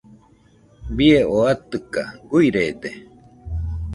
Bie oo atɨka guirede.